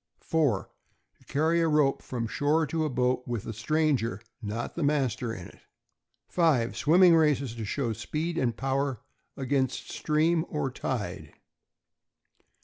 4. To carry a rope from shore to a boat with a stranger, not the master, in it. 5. Swimming races, to show speed and power against stream or tide.